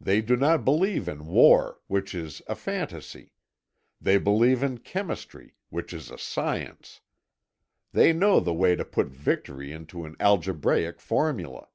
They do not believe in war, which is a phantasy; they believe in chemistry, which is a science. They know the way to put victory into an algebraic formula."